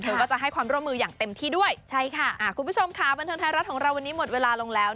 ก็จะให้ความร่วมมืออย่างเต็มที่ด้วยใช่ค่ะอ่าคุณผู้ชมค่ะบันเทิงไทยรัฐของเราวันนี้หมดเวลาลงแล้ว